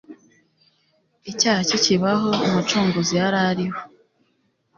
Icyaha kikibaho, Umucunguzi yari ariho.